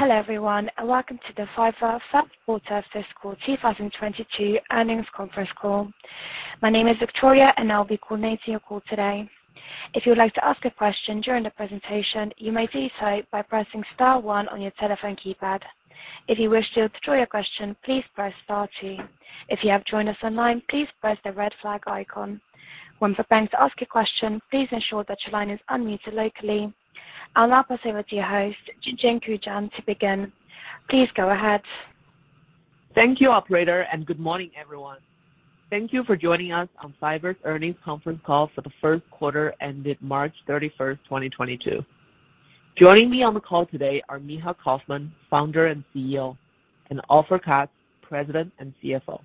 Hello everyone, and welcome to the Fiverr Q1 FY2022 earnings conference call. My name is Victoria and I'll be coordinating your call today. If you would like to ask a question during the presentation, you may do so by pressing star one on your telephone keypad. If you wish to withdraw your question, please press star two. If you have joined us online, please press the red flag icon. Once you're going to ask a question, please ensure that your line is unmuted locally. I'll now pass over to your host, Jinjin Qian, to begin. Please go ahead. Thank you, operator, and good morning, everyone. Thank you for joining us on Fiverr's Earnings Conference Call for the Q1 ended March 31, 2022. Joining me on the call today are Micha Kaufman, founder and CEO, and Ofer Katz, President and CFO.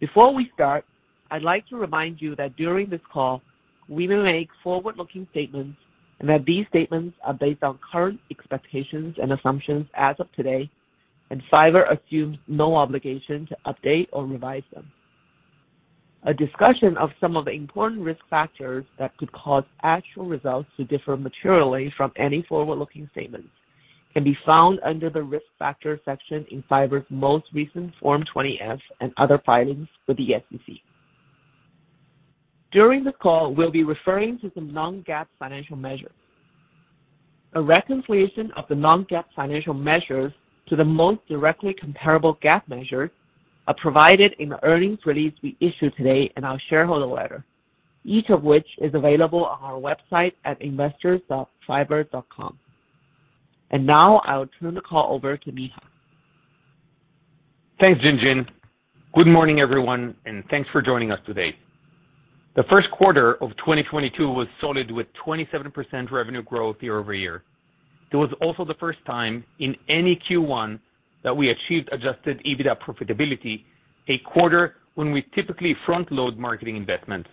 Before we start, I'd like to remind you that during this call we will make forward-looking statements and that these statements are based on current expectations and assumptions as of today, and Fiverr assumes no obligation to update or revise them. A discussion of some of the important risk factors that could cause actual results to differ materially from any forward-looking statements can be found under the "Risk Factors" section in Fiverr's most recent Form 20-F and other filings with the SEC. During the call, we'll be referring to some non-GAAP financial measures. A reconciliation of the non-GAAP financial measures to the most directly comparable GAAP measures are provided in the earnings release we issued today and our shareholder letter, each of which is available on our website at investors.fiverr.com. Now I will turn the call over to Micha. Thanks, Jinjin. Good morning, everyone, and thanks for joining us today. The Q1 2022 was solid with 27% revenue growth year-over-year. It was also the first time in any Q1 that we achieved adjusted EBITDA profitability, a quarter when we typically front load marketing investments.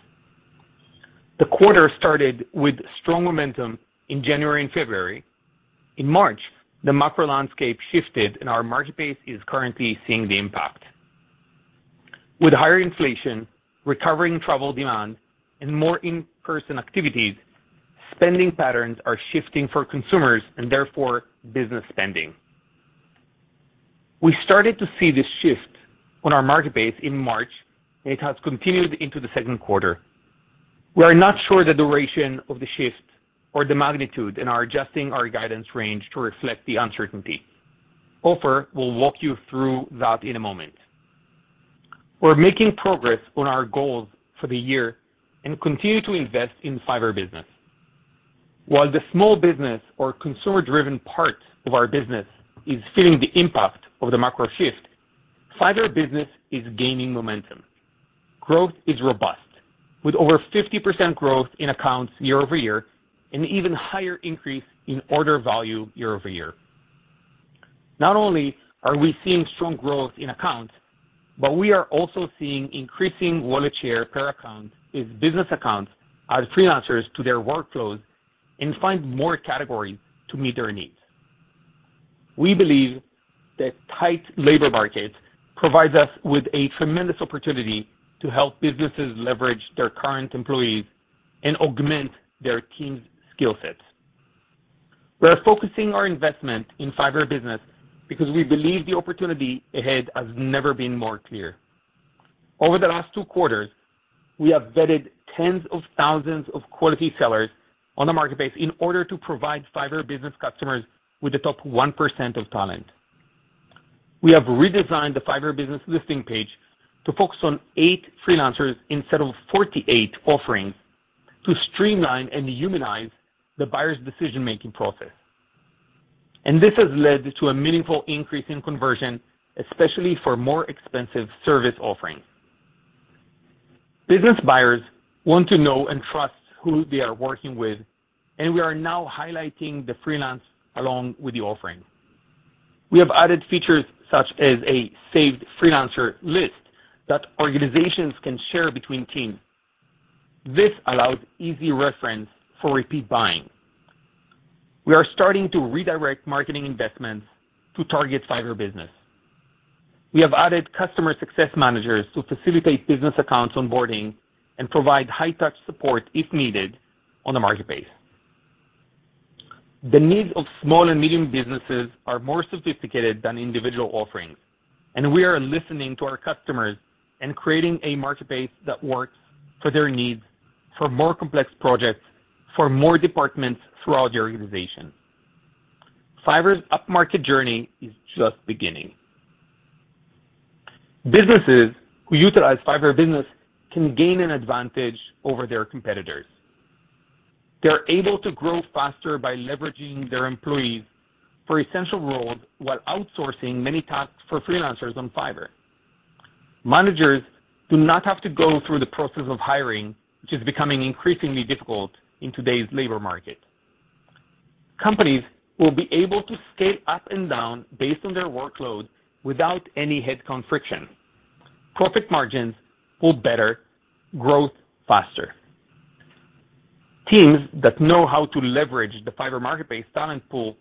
The quarter started with strong momentum in January and February. In March, the macro landscape shifted and our marketplace is currently seeing the impact. With higher inflation, recovering travel demand and more in-person activities, spending patterns are shifting for consumers and therefore business spending. We started to see this shift on our marketplace in March, and it has continued into the second quarter. We are not sure the duration of the shift or the magnitude and are adjusting our guidance range to reflect the uncertainty. Ofer will walk you through that in a moment. We're making progress on our goals for the year and continue to invest in Fiverr Business. While the small business or consumer-driven part of our business is feeling the impact of the macro shift, Fiverr Business is gaining momentum. Growth is robust with over 50% growth in accounts year-over-year, and even higher increase in order value year-over-year. Not only are we seeing strong growth in accounts, but we are also seeing increasing wallet share per account as business accounts add freelancers to their workflows and find more categories to meet their needs. We believe the tight labor market provides us with a tremendous opportunity to help businesses leverage their current employees and augment their team's skill sets. We are focusing our investment in Fiverr Business because we believe the opportunity ahead has never been more clear. Over the last two quarters, we have vetted tens of thousands of quality sellers on the marketplace in order to provide Fiverr Business customers with the top 1% of talent. We have redesigned the Fiverr Business listing page to focus on eight freelancers instead of 48 offerings to streamline and humanize the buyer's decision-making process. This has led to a meaningful increase in conversion, especially for more expensive service offerings. Business buyers want to know and trust who they are working with, and we are now highlighting the freelancer along with the offering. We have added features such as a saved freelancer list that organizations can share between teams. This allows easy reference for repeat buying. We are starting to redirect marketing investments to target Fiverr Business. We have added customer success managers to facilitate business accounts onboarding and provide high touch support if needed on the marketplace. The needs of small and medium businesses are more sophisticated than individual offerings, and we are listening to our customers and creating a marketplace that works for their needs for more complex projects, for more departments throughout the organization. Fiverr's upmarket journey is just beginning. Businesses who utilize Fiverr Business can gain an advantage over their competitors. They're able to grow faster by leveraging their employees for essential roles while outsourcing many tasks for freelancers on Fiverr. Managers do not have to go through the process of hiring, which is becoming increasingly difficult in today's labor market. Companies will be able to scale up and down based on their workload without any headcount friction. Profit margins will be better. Growth will be faster. Teams that know how to leverage the Fiverr marketplace talent pool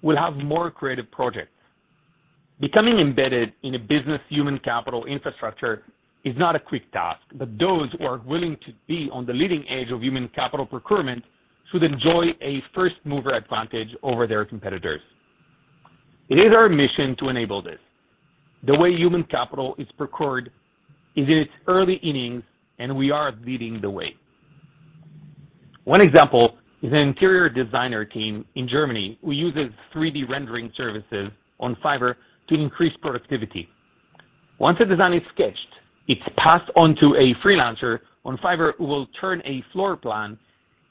will have more creative projects. Becoming embedded in a business human capital infrastructure is not a quick task, but those who are willing to be on the leading edge of human capital procurement should enjoy a first mover advantage over their competitors. It is our mission to enable this. The way human capital is procured is in its early innings, and we are leading the way. One example is an interior designer team in Germany who uses 3D rendering services on Fiverr to increase productivity. Once a design is sketched, it's passed on to a freelancer on Fiverr who will turn a floor plan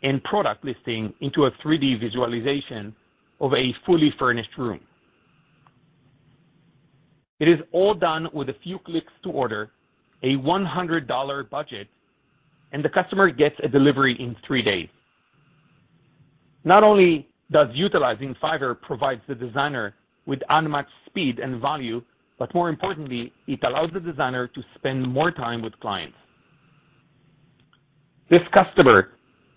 and product listing into a 3D visualization of a fully furnished room. It is all done with a few clicks to order, a $100 budget, and the customer gets a delivery in three days. Not only does utilizing Fiverr provides the designer with unmatched speed and value, but more importantly, it allows the designer to spend more time with clients. This customer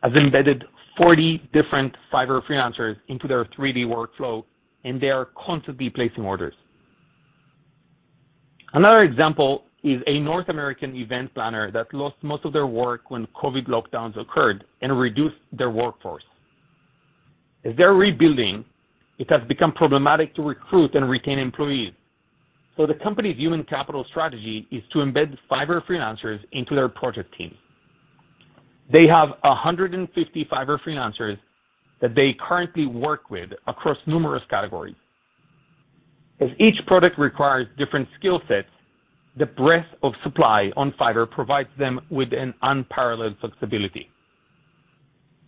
has embedded 40 different Fiverr freelancers into their 3D workflow, and they are constantly placing orders. Another example is a North American event planner that lost most of their work when COVID-19 lockdowns occurred and reduced their workforce. As they're rebuilding, it has become problematic to recruit and retain employees, so the company's human capital strategy is to embed Fiverr freelancers into their project teams. They have 150 Fiverr freelancers that they currently work with across numerous categories. As each product requires different skill sets, the breadth of supply on Fiverr provides them with an unparalleled flexibility.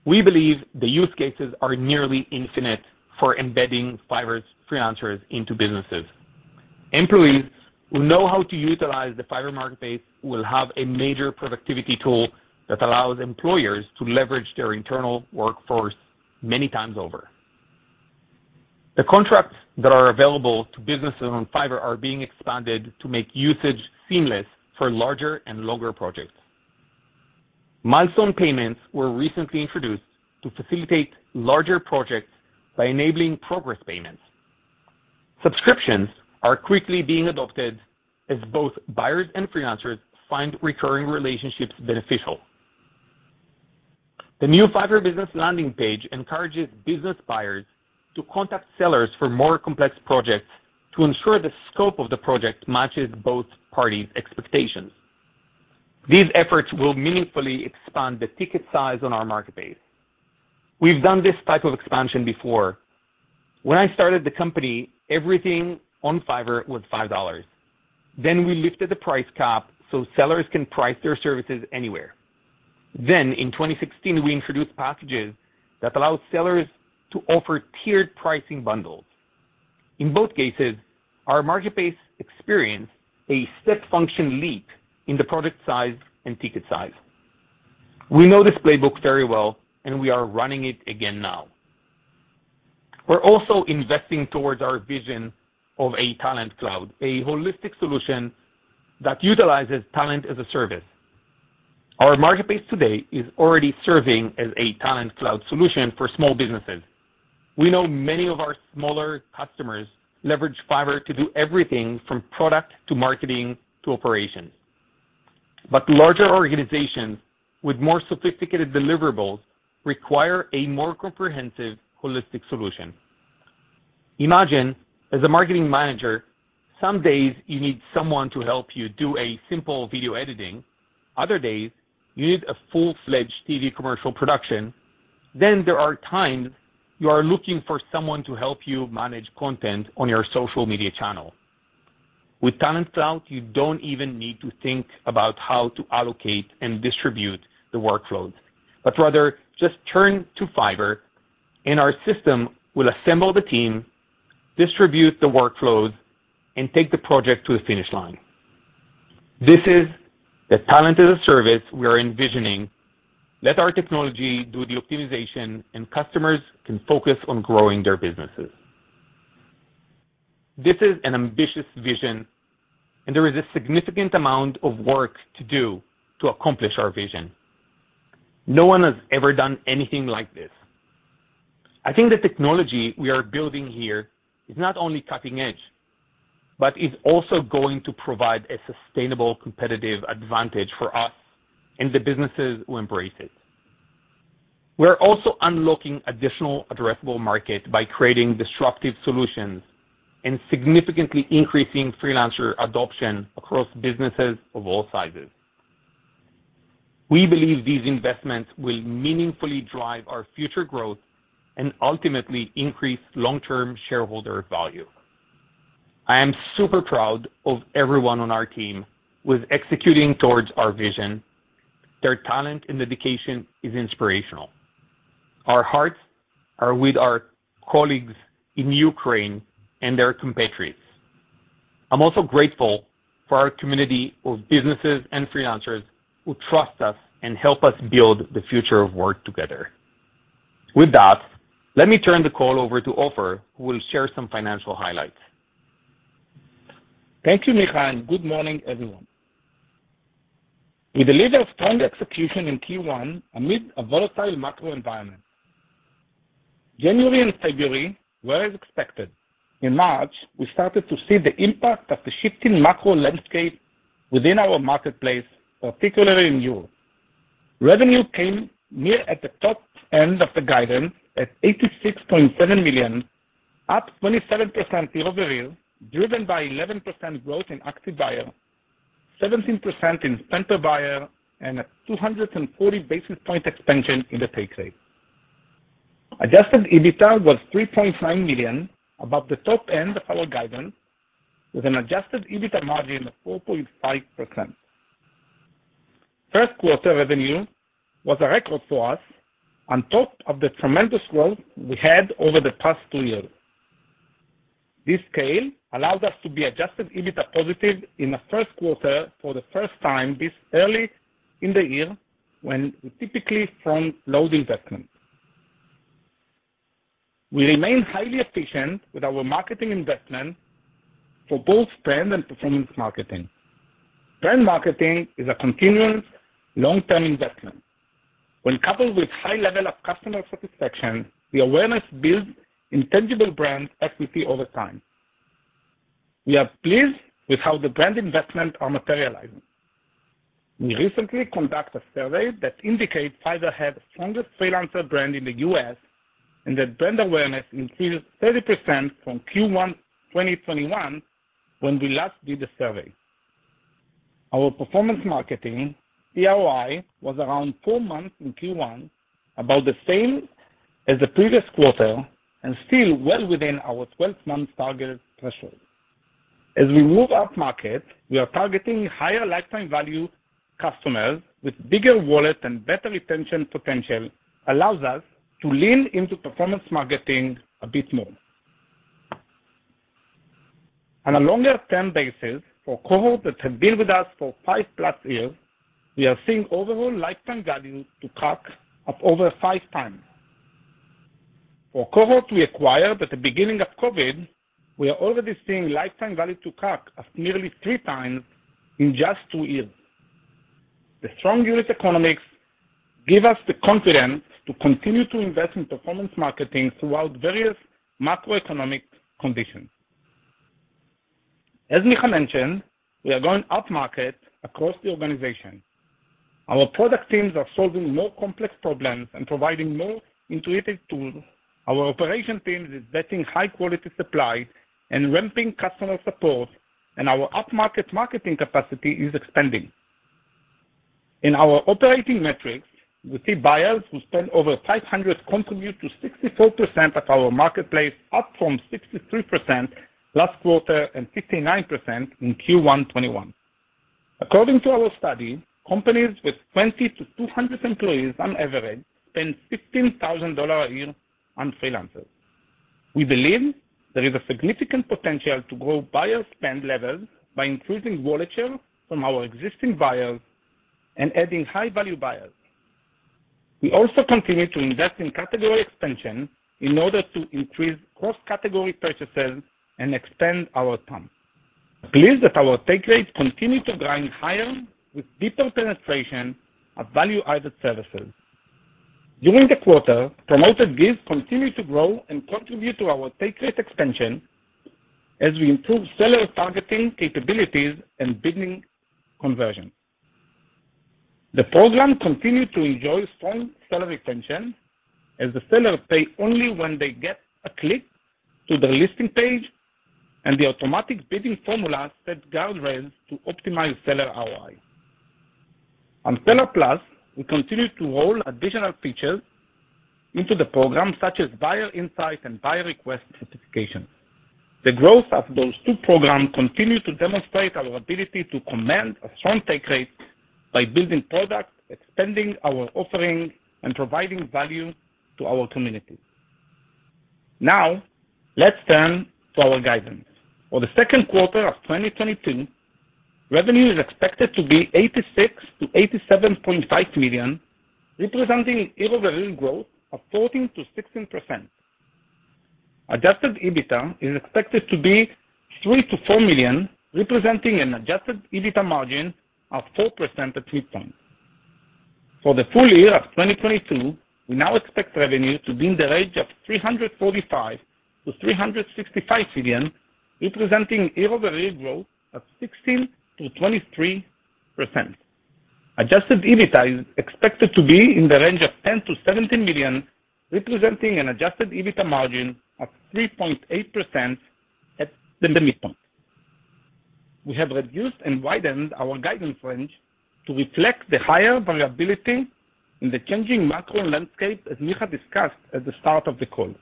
We believe the use cases are nearly infinite for embedding Fiverr's freelancers into businesses. Employees who know how to utilize the Fiverr marketplace will have a major productivity tool that allows employers to leverage their internal workforce many times over. The contracts that are available to businesses on Fiverr are being expanded to make usage seamless for larger and longer projects. Milestone payments were recently introduced to facilitate larger projects by enabling progress payments. Subscriptions are quickly being adopted as both buyers and freelancers find recurring relationships beneficial. The new Fiverr Business landing page encourages business buyers to contact sellers for more complex projects to ensure the scope of the project matches both parties' expectations. These efforts will meaningfully expand the ticket size on our marketplace. We've done this type of expansion before. When I started the company, everything on Fiverr was $5. Then we lifted the price cap so sellers can price their services anywhere. In 2016 we introduced packages that allow sellers to offer tiered pricing bundles. In both cases, our marketplace experienced a step function leap in the product size and ticket size. We know this playbook very well, and we are running it again now. We're also investing towards our vision of a Talent Cloud, a holistic solution that utilizes talent as a service. Our marketplace today is already serving as a Talent Cloud solution for small businesses. We know many of our smaller customers leverage Fiverr to do everything from product to marketing to operations. Larger organizations with more sophisticated deliverables require a more comprehensive, holistic solution. Imagine as a marketing manager, some days you need someone to help you do a simple video editing. Other days, you need a full-fledged TV commercial production. There are times you are looking for someone to help you manage content on your social media channel. With Talent Cloud, you don't even need to think about how to allocate and distribute the workload, but rather just turn to Fiverr and our system will assemble the team, distribute the workload, and take the project to the finish line. This is the talent as a service we are envisioning. Let our technology do the optimization, and customers can focus on growing their businesses. This is an ambitious vision and there is a significant amount of work to do to accomplish our vision. No one has ever done anything like this. I think the technology we are building here is not only cutting edge, but is also going to provide a sustainable competitive advantage for us and the businesses who embrace it. We're also unlocking additional addressable market by creating disruptive solutions and significantly increasing freelancer adoption across businesses of all sizes. We believe these investments will meaningfully drive our future growth and ultimately increase long-term shareholder value. I am super proud of everyone on our team with executing towards our vision. Their talent and dedication is inspirational. Our hearts are with our colleagues in Ukraine and their compatriots. I'm also grateful for our community of businesses and freelancers who trust us and help us build the future of work together. With that, let me turn the call over to Ofer, who will share some financial highlights. Thank you, Micha, and good morning, everyone. We delivered strong execution in Q1 amid a volatile macro environment. January and February were as expected. In March, we started to see the impact of the shifting macro landscape within our marketplace, particularly in Europe. Revenue came near at the top end of the guidance at $86.7 million, up 27% year-over-year, driven by 11% growth in active buyer, 17% in spender buyer and a 240 basis point expansion in the take rate. Adjusted EBITDA was $3.9 million above the top end of our guidance, with an adjusted EBITDA margin of 4.5%. Q1 revenue was a record for us on top of the tremendous growth we had over the past two years. This scale allows us to be adjusted EBITDA positive in the first quarter for the first time this early in the year when we typically front-load investment. We remain highly efficient with our marketing investment for both brand and performance marketing. Brand marketing is a continuous long-term investment. When coupled with high level of customer satisfaction, the awareness builds intangible brand equity over time. We are pleased with how the brand investment are materializing. We recently conducted a survey that indicates Fiverr had the strongest freelancer brand in the U.S. and that brand awareness increased 30% from Q1 2021 when we last did the survey. Our performance marketing ROI was around four months in Q1, about the same as the previous quarter and still well within our 12-month target threshold. As we move up market, we are targeting higher lifetime value customers with bigger wallet and better retention potential allows us to lean into performance marketing a bit more. On a longer term basis, for cohort that have been with us for five plus years, we are seeing overall lifetime value to CAC of over 5.0x. For cohort we acquired at the beginning of COVID-19, we are already seeing lifetime value to CAC of nearly 3.0x In just two years. The strong unit economics give us the confidence to continue to invest in performance marketing throughout various macroeconomic conditions. As Micha mentioned, we are going up market across the organization. Our product teams are solving more complex problems and providing more intuitive tools. Our operation team is vetting high quality supply and ramping customer support, and our upmarket marketing capacity is expanding. In our operating metrics, we see buyers who spend over 500 contribute to 64% of our marketplace, up from 63% last quarter and 59% in Q1 2021. According to our study, companies with 20-200 employees on average spend $15,000 a year on freelancers. We believe there is a significant potential to grow buyer spend levels by increasing wallet share from our existing buyers and adding high value buyers. We also continue to invest in category expansion in order to increase cross-category purchases and expand our TAM. Pleased that our take rates continue to grind higher with deeper penetration of value-added services. During the quarter, Promoted Gigs continued to grow and contribute to our take rate expansion as we improve seller targeting capabilities and bidding conversion. The program continued to enjoy strong seller retention as the sellers pay only when they get a click to their listing page and the automatic bidding formula set guardrails to optimize seller ROI. On Seller Plus, we continue to roll additional features into the program such as buyer insight and buyer request certification. The growth of those two programs continue to demonstrate our ability to command a strong take rate by building products, expanding our offering, and providing value to our community. Now, let's turn to our guidance. For the Q2 2022, revenue is expected to be $86 million-$87.5 million, representing year-over-year growth of 14%-16%. Adjusted EBITDA is expected to be $3 million-$4 million, representing an adjusted EBITDA margin of 4% at midpoint. For the full-year of 2022, we now expect revenue to be in the range of $345 million-$365 million, representing year-over-year growth of 16%-23%. Adjusted EBITDA is expected to be in the range of $10 million-$17 million, representing an adjusted EBITDA margin of 3.8% at the midpoint. We have reduced and widened our guidance range to reflect the higher variability in the changing macro landscape, as Micha discussed at the start of the call.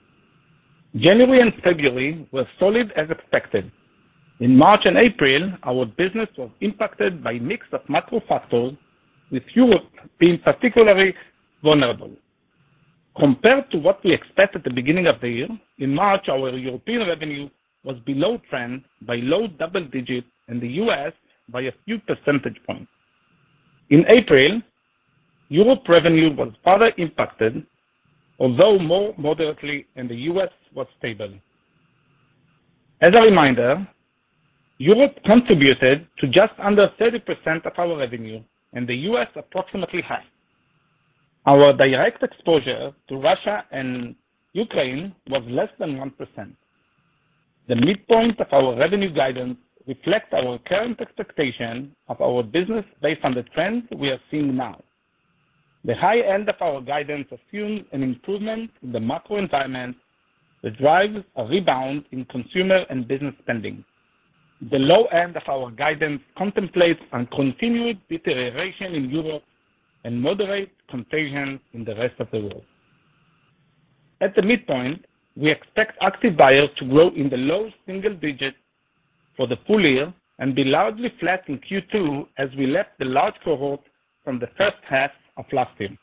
January and February were solid as expected. In March and April, our business was impacted by mix of macro factors, with Europe being particularly vulnerable. Compared to what we expect at the beginning of the year, in March, our European revenue was below trend by low double digits, in the U.S. by a few percentage points.In April, Europe revenue was further impacted, although more moderately, and the U.S. was stable. As a reminder, Europe contributed to just under 30% of our revenue, and the U.S. approximately 50%. Our direct exposure to Russia and Ukraine was less than 1%. The midpoint of our revenue guidance reflects our current expectation of our business based on the trends we are seeing now. The high end of our guidance assumes an improvement in the macro environment that drives a rebound in consumer and business spending. The low end of our guidance contemplates a continued deterioration in Europe and moderate contagion in the rest of the world. At the midpoint, we expect active buyers to grow in the low single digits for the full-year and be largely flat in Q2 as we lap the large cohort from the H1 of last year.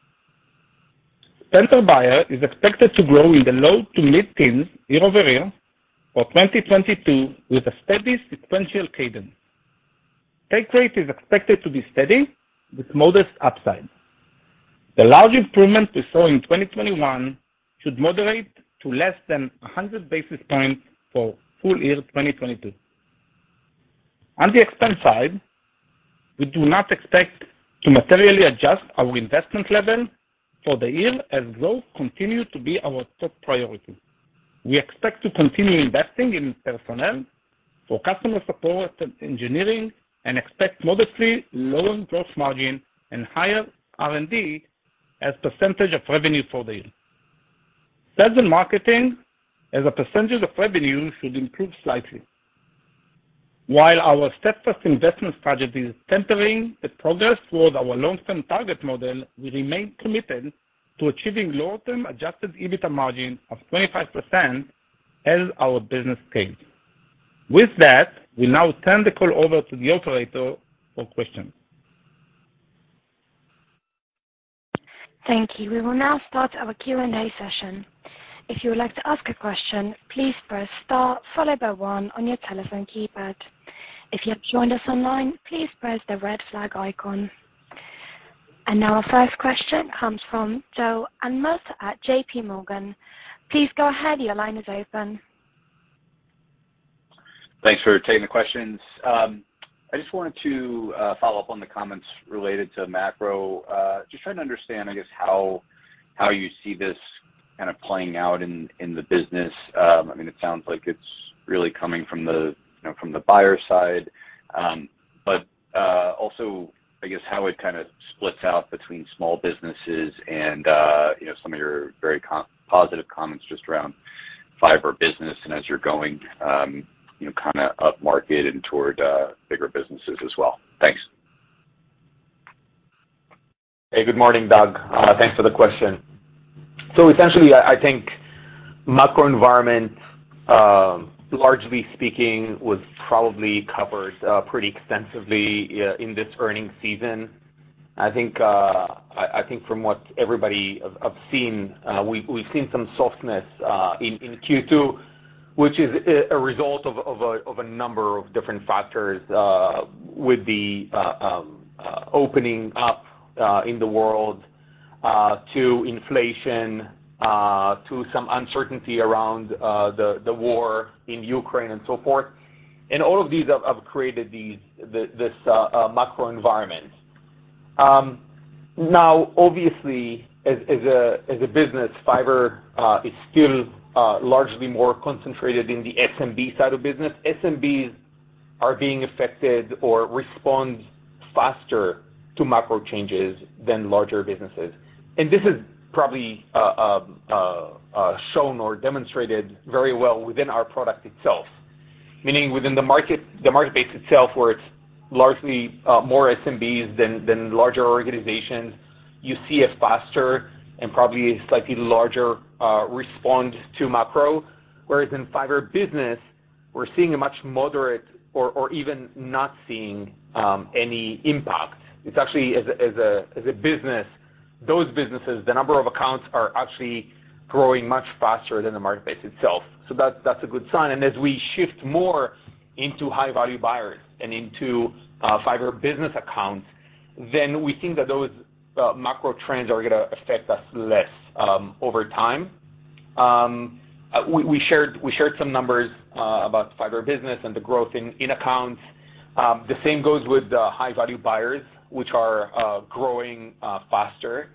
Active Buyers are expected to grow in the low to mid-teens year-over-year for 2022, with a steady sequential cadence. Take rate is expected to be steady with modest upside. The large improvement we saw in 2021 should moderate to less than 100 basis points for full-year 2022. On the expense side, we do not expect to materially adjust our investment level for the year as growth continue to be our top priority. We expect to continue investing in personnel for customer support and engineering and expect modestly lower gross margin and higher R&D as percentage of revenue for the year. Sales and marketing as a percentage of revenue should improve slightly. While our steadfast investment strategy is tempering the progress towards our long-term target model, we remain committed to achieving long-term adjusted EBITDA margin of 25% as our business scales. With that, we'll now turn the call over to the operator for questions. Thank you. We will now start our Q&A session. If you would like to ask a question, please press star followed by one on your telephone keypad. If you have joined us online, please press the red flag icon. Now our first question comes from Doug Anmuth at JPMorgan. Please go ahead. Your line is open. Thanks for taking the questions. I just wanted to follow up on the comments related to macro. Just trying to understand, I guess, how you see this kind of playing out in the business. I mean, it sounds like it's really coming from the buyer side. But also, I guess, how it kinda splits out between small businesses and some of your very positive comments just around Fiverr Business and as you're going upmarket and toward bigger businesses as well. Thanks. Hey, good morning, Doug. Thanks for the question. Essentially I think macro environment, largely speaking, was probably covered pretty extensively in this earnings season. I think from what everybody have seen, we've seen some softness in Q2, which is a result of a number of different factors, with the opening up in the world to inflation, to some uncertainty around the war in Ukraine and so forth. All of these have created this macro environment. Now, obviously, as a business, Fiverr is still largely more concentrated in the SMB side of business. SMBs are being affected or respond faster to macro changes than larger businesses. This is probably shown or demonstrated very well within our product itself. Meaning within the market, the marketplace itself, where it's largely more SMBs than larger organizations, you see a faster and probably slightly larger response to macro. Whereas in Fiverr Business, we're seeing a much moderate or even not seeing any impact. It's actually as a business, those businesses, the number of accounts are actually growing much faster than the marketplace itself. That's a good sign. As we shift more into high-value buyers and into Fiverr Business accounts, then we think that those macro trends are gonna affect us less over time. We shared some numbers about Fiverr Business and the growth in accounts. The same goes with the high-value buyers, which are growing faster.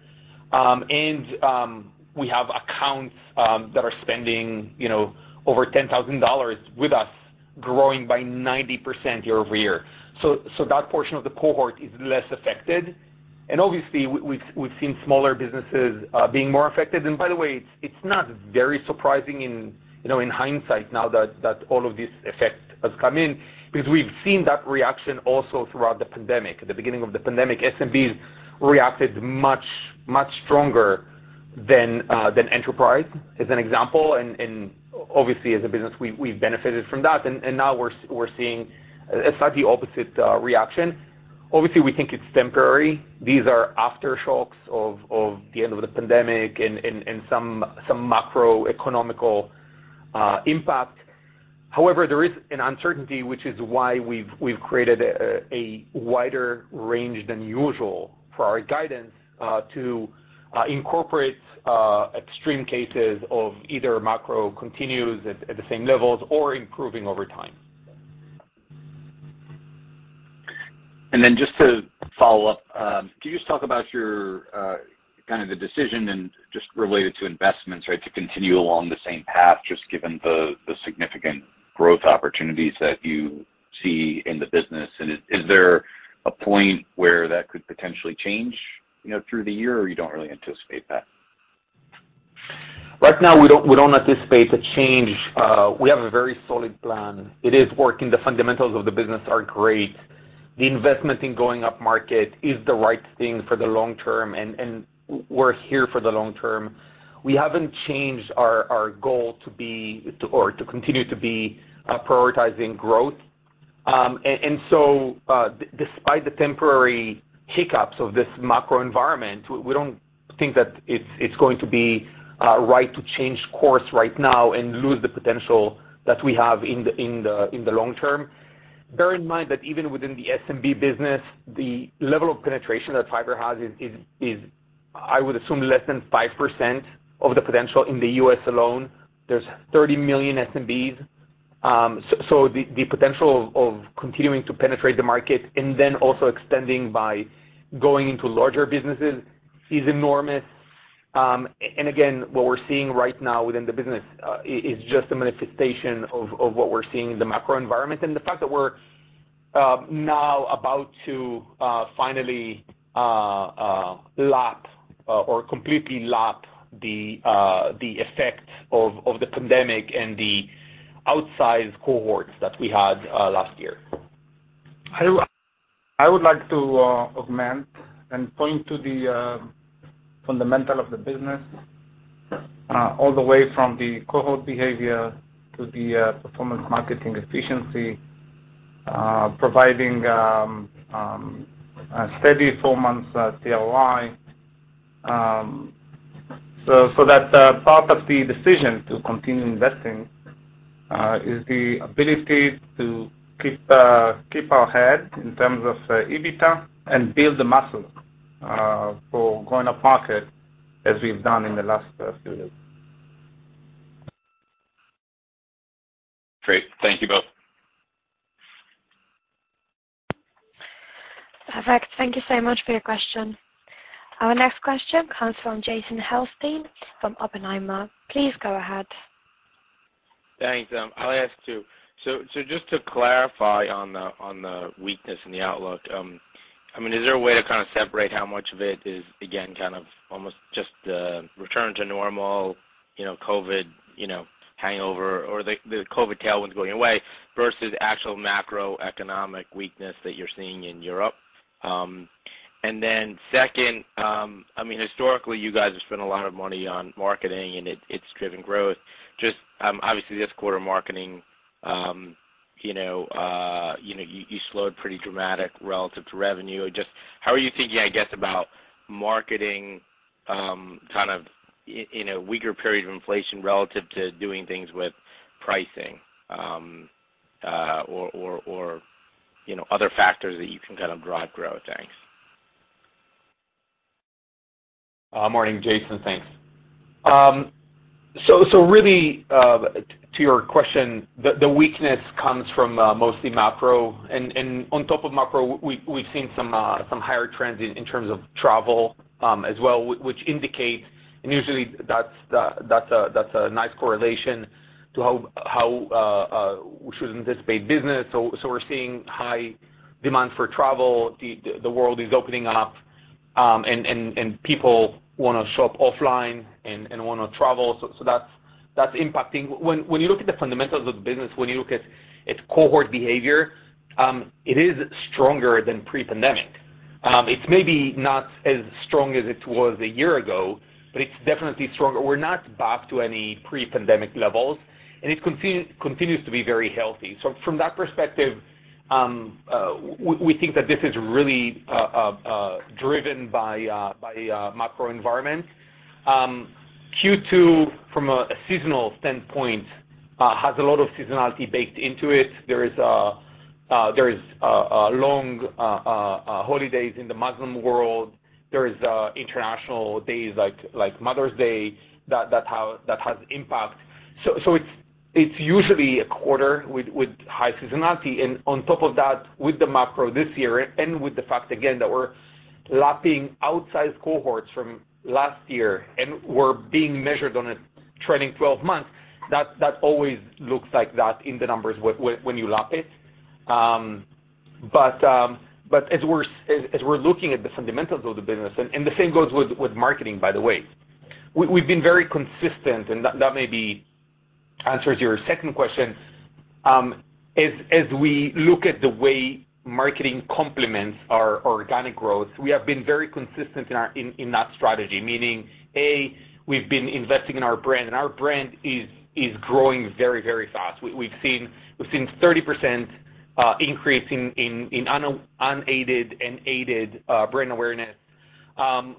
We have accounts that are spending, you know, over $10,000 with us growing by 90% year-over-year. That portion of the cohort is less affected. Obviously we've seen smaller businesses being more affected. By the way, it's not very surprising, in hindsight now that all of this effect has come in because we've seen that reaction also throughout the pandemic. At the beginning of the pandemic, SMBs reacted much stronger than enterprise, as an example. Obviously as a business, we've benefited from that. Now we're seeing a slightly opposite reaction. Obviously, we think it's temporary. These are aftershocks of the end of the pandemic and some macroeconomic impact. However, there is an uncertainty, which is why we've created a wider range than usual for our guidance, to incorporate extreme cases of either macro continues at the same levels or improving over time. Then just to follow up, can you just talk about your kind of the decision and just related to investments, right, to continue along the same path, just given the significant growth opportunities that you see in the business? Is there a point where that could potentially change, you know, through the year or you don't really anticipate that? Right now, we don't anticipate a change. We have a very solid plan. It is working. The fundamentals of the business are great. The investment in going upmarket is the right thing for the long term, and we're here for the long term. We haven't changed our goal to continue to be prioritizing growth. Despite the temporary hiccups of this macro environment, we don't think that it's going to be right to change course right now and lose the potential that we have in the long term. Bear in mind that even within the SMB business, the level of penetration that Fiverr has is, I would assume, less than 5% of the potential in the U.S. alone. There's 30 million SMBs. The potential of continuing to penetrate the market and then also extending by going into larger businesses is enormous. Again, what we're seeing right now within the business is just a manifestation of what we're seeing in the macro environment and the fact that we're now about to finally lap or completely lap the effect of the pandemic and the outsized cohorts that we had last year. I would like to augment and point to the fundamental of the business all the way from the cohort behavior to the performance marketing efficiency providing a steady four-month tROI. That's a part of the decision to continue investing is the ability to keep our head in terms of EBITDA and build the muscle for going upmarket as we've done in the last few years. Great. Thank you both. Perfect. Thank you so much for your question. Our next question comes from Jason Helfstein from Oppenheimer. Please go ahead. Thanks. I'll ask too. Just to clarify on the weakness in the outlook, I mean, is there a way to kind of separate how much of it is again, kind of almost just a return to normal, COVID-19, hangover or the COVID-19 tailwind going away versus actual macroeconomic weakness that you're seeing in Europe? Second, I mean, historically, you guys have spent a lot of money on marketing and it's driven growth. Just obviously, this quarter marketing, you slowed pretty dramatically relative to revenue. Just how are you thinking, I guess, about marketing, kind of in a weaker period or inflation relative to doing things with pricing, or other factors that you can kind of drive growth? Thanks. Morning, Jason. Thanks. Really, to your question, the weakness comes from mostly macro. On top of macro, we've seen some higher trends in terms of travel as well, which indicates, and usually that's a nice correlation to how we should anticipate business. We're seeing high demand for travel. The world is opening up, and people wanna show up offline and wanna travel. That's impacting. When you look at the fundamentals of the business, when you look at its cohort behavior, it is stronger than pre-pandemic. It's maybe not as strong as it was a year ago, but it's definitely stronger. We're not back to any pre-pandemic levels, and it continues to be very healthy. From that perspective, we think that this is really driven by macro environment. Q2 from a seasonal standpoint has a lot of seasonality baked into it. There is long holidays in the Muslim world. There is international days like Mother's Day that have impact. It's usually a quarter with high seasonality. On top of that, with the macro this year and with the fact again that we're lapping outsized cohorts from last year and we're being measured on a trailing twelve months, that always looks like that in the numbers when you lap it, but as we're looking at the fundamentals of the business. The same goes with marketing, by the way. We've been very consistent, and that maybe answers your second question. As we look at the way marketing complements our organic growth, we have been very consistent in that strategy. Meaning, we've been investing in our brand, and our brand is growing very fast. We've seen 30% increase in unaided and aided brand awareness,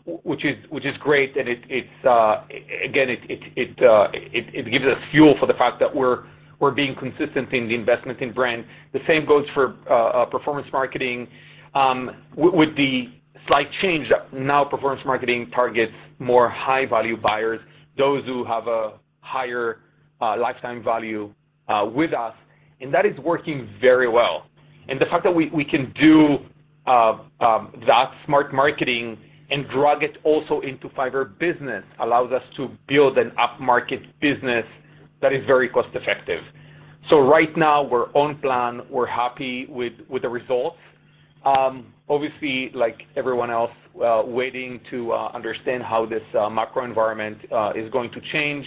which is great. It's again giving us fuel for the fact that we're being consistent in the investment in brand. The same goes for performance marketing with the slight change that now performance marketing targets more high-value buyers, those who have a higher lifetime value with us, and that is working very well. The fact that we can do that smart marketing and drag it also into Fiverr Business allows us to build an up-market business that is very cost-effective. Right now, we're on plan, we're happy with the results. Obviously, like everyone else, waiting to understand how this macro environment is going to change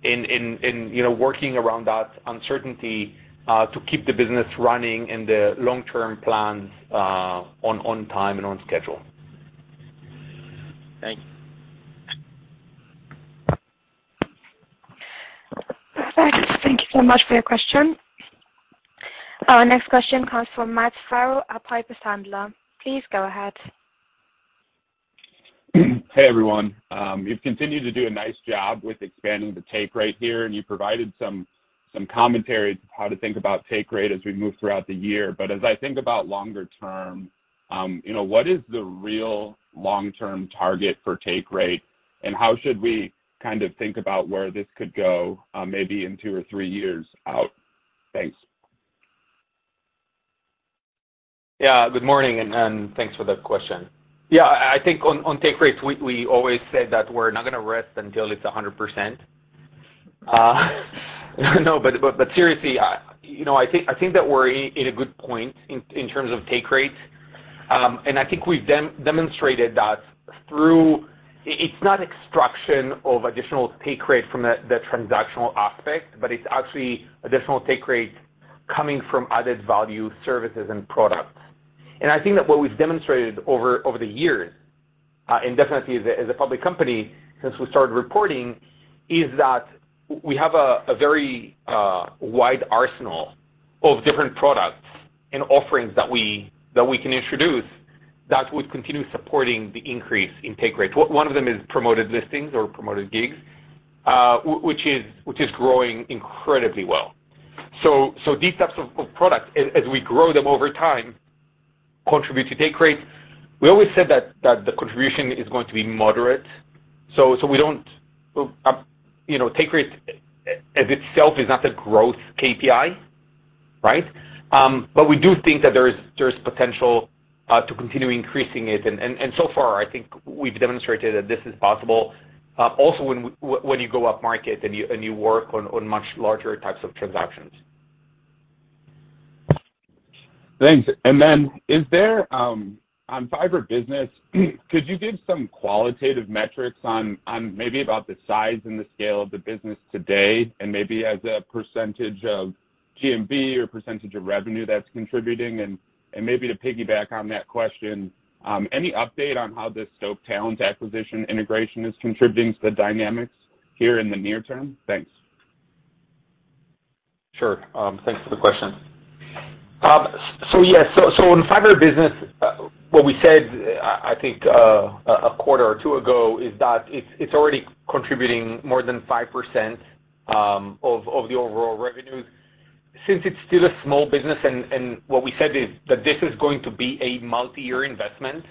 in working around that uncertainty to keep the business running and the long-term plans on time and on schedule. Thank you. Thank you so much for your question. Our next question comes from Matt Farrell at Piper Sandler. Please go ahead. Hey, everyone. You've continued to do a nice job with expanding the take rate here, and you provided some commentary how to think about take rate as we move throughout the year. As I think about longer term, you know, what is the real long-term target for take rate, and how should we kind of think about where this could go, maybe in two or three years out? Thanks. Yeah. Good morning, and thanks for the question. Yeah. I think on take rates, we always said that we're not gonna rest until it's 100%. No, but seriously, you know, I think that we're in a good point in terms of take rate. I think we've demonstrated that through. It's not extraction of additional take rate from the transactional aspect, but it's actually additional take rate coming from added-value services and products. I think that what we've demonstrated over the years, and definitely as a public company since we started reporting, is that we have a very wide arsenal of different products and offerings that we can introduce that would continue supporting the increase in take rate. One of them is Promoted Gigs, which is growing incredibly well. These types of products, as we grow them over time, contribute to take rate. We always said that the contribution is going to be moderate. We don't, take rate as itself is not a growth KPI, right? But we do think that there is potential to continue increasing it. So far I think we've demonstrated that this is possible, also when you go up market and you work on much larger types of transactions. Thanks. Is there on Fiverr Business, could you give some qualitative metrics on maybe about the size and the scale of the business today and maybe as a percentage of GMV or percentage of revenue that's contributing? And maybe to piggyback on that question, any update on how this Stoke Talent acquisition integration is contributing to the dynamics here in the near term? Thanks. Sure. Thanks for the question. In Fiverr Business, what we said, I think, a quarter or two ago is that it's already contributing more than 5% of the overall revenues. Since it's still a small business, and what we said is that this is going to be a multi-year investment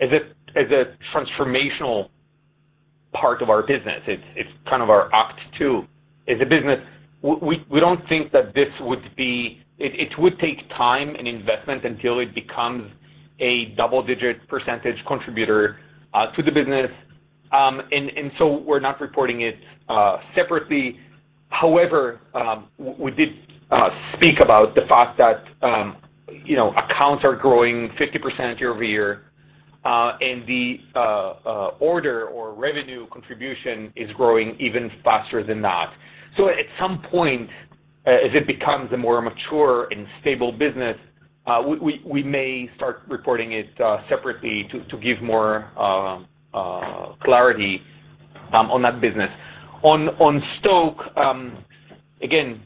as a transformational part of our business. It's kind of our act two as a business. We don't think that this would be. It would take time and investment until it becomes a double-digit percentage contributor to the business. We're not reporting it separately. However, we did speak about the fact that, accounts are growing 50% year-over-year, and the order or revenue contribution is growing even faster than that. So at some point, as it becomes a more mature and stable business, we may start reporting it separately to give more clarity on that business. On Stoke, again,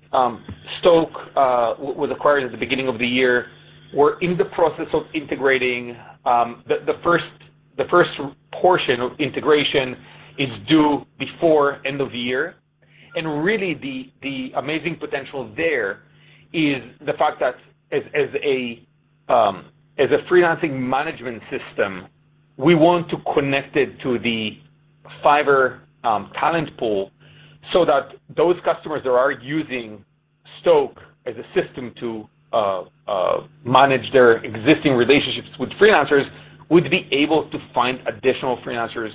Stoke was acquired at the beginning of the year. We're in the process of integrating. The first portion of integration is due before end of year. Really the amazing potential there is the fact that as a freelancing management system, we want to connect it to the Fiverr talent pool so that those customers that are using Stoke as a system to manage their existing relationships with freelancers would be able to find additional freelancers.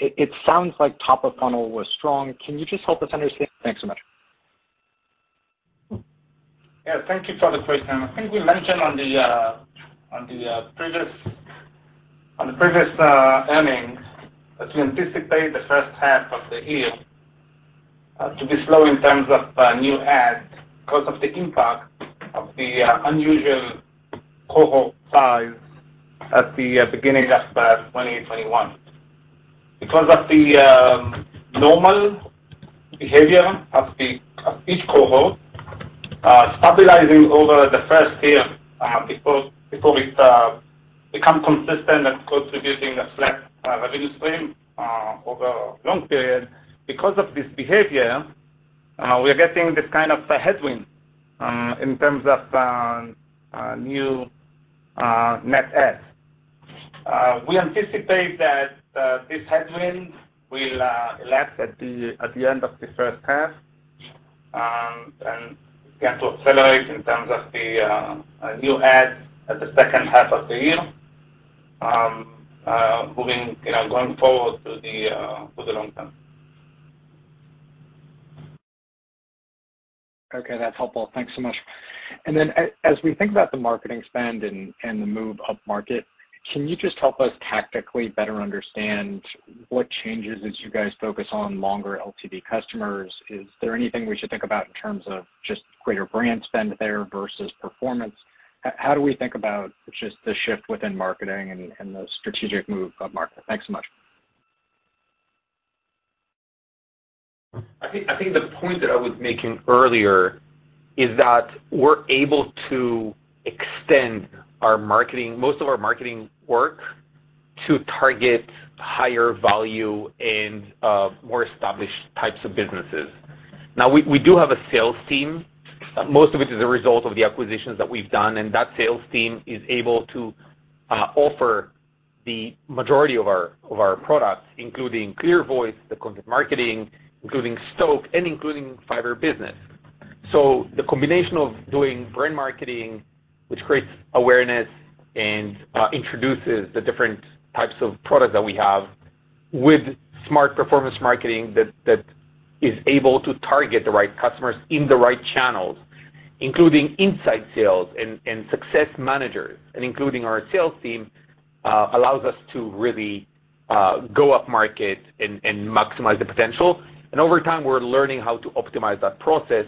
It sounds like top of funnel was strong. Can you just help us understand? Thanks so much. Yeah. Thank you for the question. I think we mentioned on the previous earnings that we anticipate the H1 of the year to be slow in terms of new ads 'cause of the impact of the unusual cohort size at the beginning of 2021. Because of the normal behavior of each cohort stabilizing over the first year before it become consistent and contributing a flat revenue stream over a long period. Because of this behavior, we're getting this kind of a headwind in terms of new net adds. We anticipate that this headwind will last at the end of the first half and begin to accelerate in terms of the new adds at the second half of the year, moving, going forward for the long term. Okay. That's helpful. Thanks so much. As we think about the marketing spend and the move up market, can you just help us tactically better understand what changes as you guys focus on longer LTV customers? Is there anything we should think about in terms of just greater brand spend there versus performance? How do we think about just the shift within marketing and the strategic move up market? Thanks so much. I think the point that I was making earlier is that we're able to extend our marketing, most of our marketing work to target higher value and more established types of businesses. Now we do have a sales team. Most of it is a result of the acquisitions that we've done, and that sales team is able to offer the majority of our products, including ClearVoice, the content marketing, including Stoke and including Fiverr Business. The combination of doing brand marketing, which creates awareness and introduces the different types of products that we have with smart performance marketing that is able to target the right customers in the right channels, including inside sales and success managers and including our sales team allows us to really go up market and maximize the potential. Over time, we're learning how to optimize that process,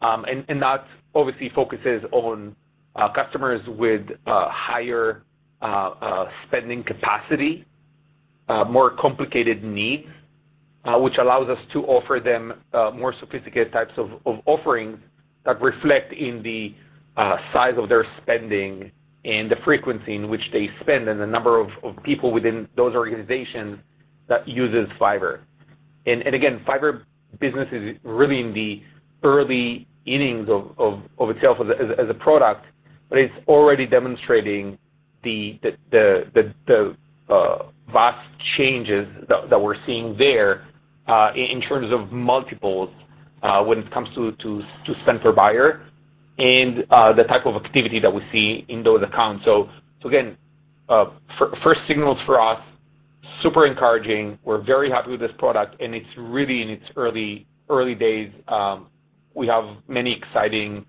and that obviously focuses on customers with higher spending capacity, more complicated needs, which allows us to offer them more sophisticated types of offerings that reflect in the size of their spending and the frequency in which they spend, and the number of people within those organizations that uses Fiverr. Again, Fiverr Business is really in the early innings of itself as a product, but it's already demonstrating the vast changes that we're seeing there in terms of multiples when it comes to spend per buyer and the type of activity that we see in those accounts. Again, first signals for us, super encouraging. We're very happy with this product, and it's really in its early days. We have many exciting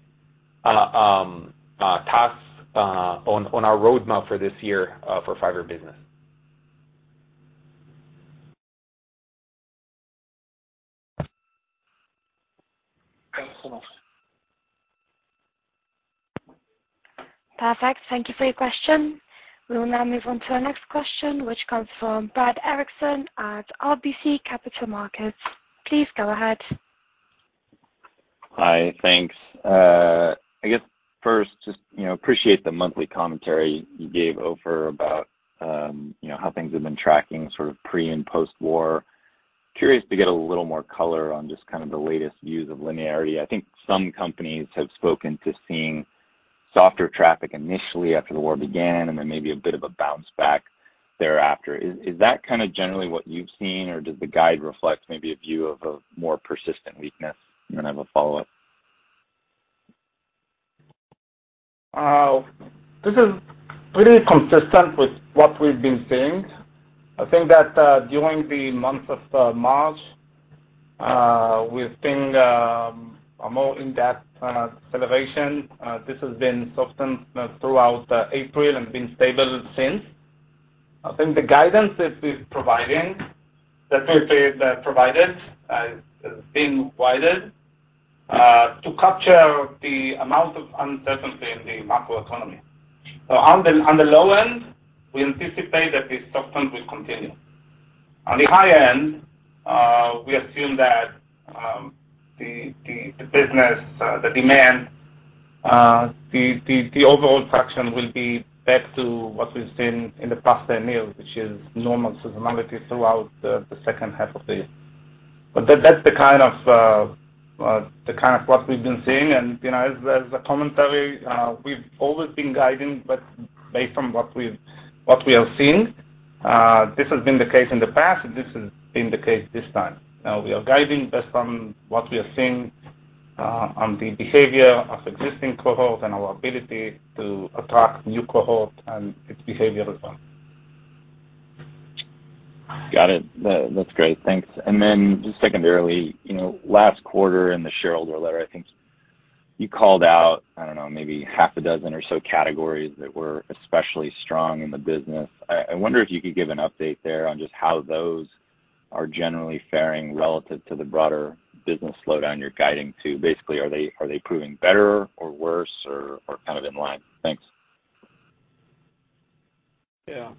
tasks on our roadmap for this year for Fiverr Business. Thanks so much. Perfect. Thank you for your question. We will now move on to our next question, which comes from Brad Erickson at RBC Capital Markets. Please go ahead. Hi. Thanks. I guess first, just, appreciate the monthly commentary you gave, Ofer, about, how things have been tracking sort of pre- and post-war. Curious to get a little more color on just kind of the latest views of linearity. I think some companies have spoken to seeing softer traffic initially after the war began and then maybe a bit of a bounce back thereafter. Is that kind of generally what you've seen, or does the guide reflect maybe a view of a more persistent weakness? Then I have a follow-up. This is really consistent with what we've been seeing. I think that during the month of March we've seen a more in-depth deceleration. This has been softened throughout April and been stable since. I think the guidance that we're providing has been provided to capture the amount of uncertainty in the macroeconomy. On the low end, we anticipate that this softness will continue. On the high end, we assume that the business, the demand, the overall traction will be back to what we've seen in the past 10 years, which is normal seasonality throughout the second half of the year. That's the kind of what we've been seeing. as a commentary, we've always been guiding, but based on what we have seen, this has been the case in the past, and this has been the case this time. We are guiding based on what we are seeing, on the behavior of existing cohorts and our ability to attract new cohorts and its behavior as well. Got it. That's great. Thanks. Just secondarily, last quarter in the shareholder letter, I think you called out, I don't know, maybe half a dozen or so categories that were especially strong in the business. I wonder if you could give an update there on just how those are generally faring relative to the broader business slowdown you're guiding to. Basically, are they proving better or worse or kind of in line? Thanks. Yeah.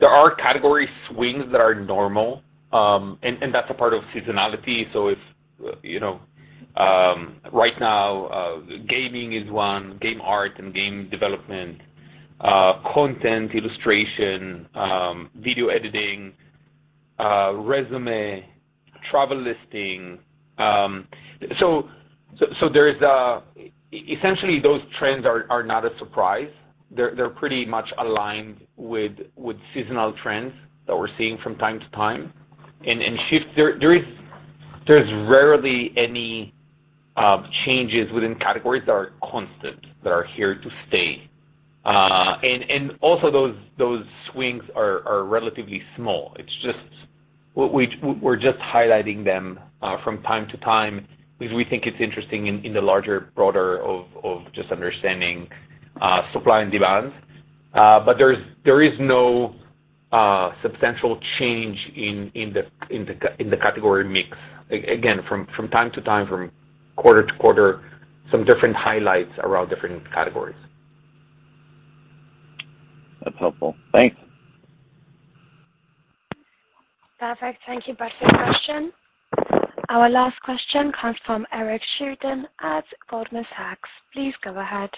There are category swings that are normal, and that's a part of seasonality. If you know, right now, gaming is one, game art and game development, content illustration, video editing, resume, travel listing. Essentially, those trends are not a surprise. They're pretty much aligned with seasonal trends that we're seeing from time to time. There's rarely any changes within categories that are constant, that are here to stay. Also those swings are relatively small. We're just highlighting them from time to time because we think it's interesting in the larger, broader of just understanding supply and demand. There is no substantial change in the category mix. Again, from time to time, from quarter to quarter, some different highlights around different categories. That's helpful. Thanks. Perfect. Thank you, Brad, for your question. Our last question comes from Eric Sheridan at Goldman Sachs. Please go ahead.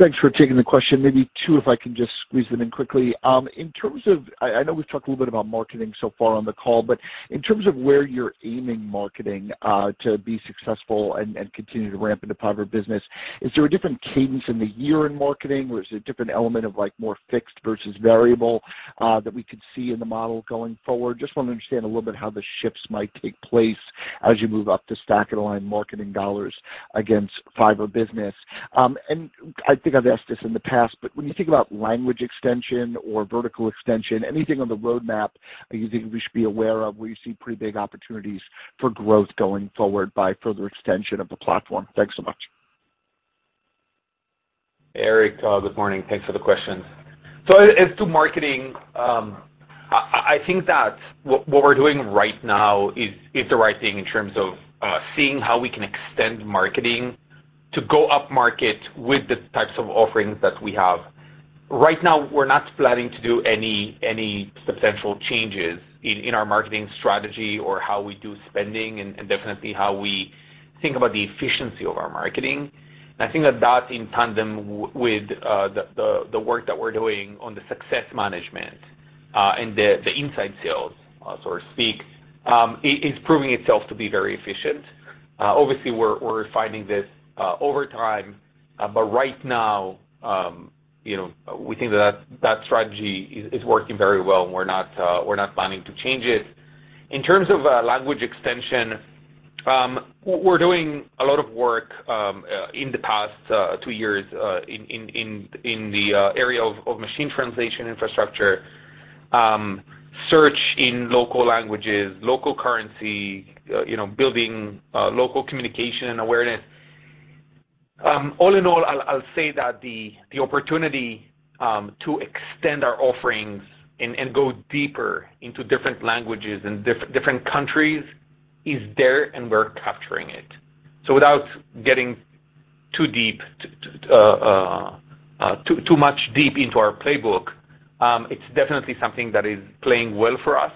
Thanks for taking the question. Maybe two, if I can just squeeze them in quickly. In terms of I know we've talked a little bit about marketing so far on the call, but in terms of where you're aiming marketing to be successful and continue to ramp into Fiverr Business, is there a different cadence in the year in marketing, or is there a different element of, like, more fixed versus variable that we could see in the model going forward? Just want to understand a little bit how the shifts might take place as you move up to Stoke and align marketing dollars against Fiverr Business. I think I've asked this in the past, but when you think about language extension or vertical extension, anything on the roadmap you think we should be aware of where you see pretty big opportunities for growth going forward by further extension of the platform? Thanks so much. Eric, good morning. Thanks for the question. As to marketing, I think that what we're doing right now is the right thing in terms of seeing how we can extend marketing to go upmarket with the types of offerings that we have. Right now, we're not planning to do any substantial changes in our marketing strategy or how we do spending and definitely how we think about the efficiency of our marketing. I think that that's in tandem with the work that we're doing on the success management and the inside sales, so to speak, is proving itself to be very efficient. Obviously we're refining this over time, but right now, we think that strategy is working very well, and we're not planning to change it. In terms of language extension, we're doing a lot of work in the past two years in the area of machine translation infrastructure, search in local languages, local currency, building local communication and awareness. All in all, I'll say that the opportunity to extend our offerings and go deeper into different languages and different countries is there, and we're capturing it. Without getting too deep into our playbook, it's definitely something that is playing well for us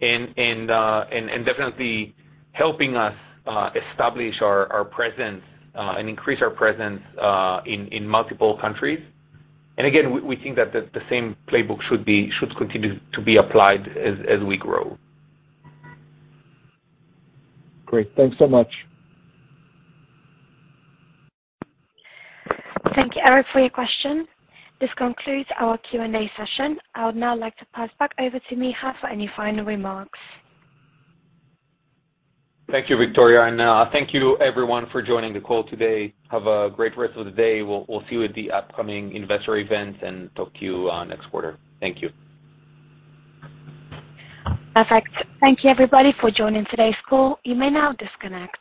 and definitely helping us establish our presence and increase our presence in multiple countries. Again, we think that the same playbook should continue to be applied as we grow. Great. Thanks so much. Thank you, Eric, for your question. This concludes our Q&A session. I would now like to pass back over to Micha for any final remarks. Thank you, Victoria, and thank you everyone for joining the call today. Have a great rest of the day. We'll see you at the upcoming investor events and talk to you next quarter. Thank you. Perfect. Thank you everybody for joining today's call. You may now disconnect.